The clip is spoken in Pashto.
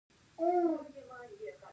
د هرات د جمعې مسجد مینارونه د غوري دورې دي